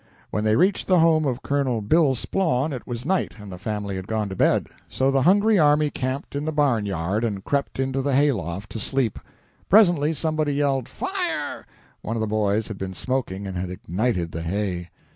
When they reached the home of Col. Bill Splawn it was night and the family had gone to bed. So the hungry army camped in the barn yard and crept into the hay loft to sleep. Presently somebody yelled "Fire!" One of the boys had been smoking and had ignited the hay.